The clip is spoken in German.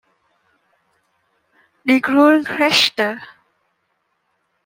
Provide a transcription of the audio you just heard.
Die Grundrechte!